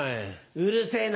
うるせぇな。